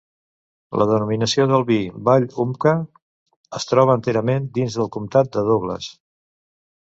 La denominació del vi Vall Umpqua es troba enterament dins del Comtat de Douglas.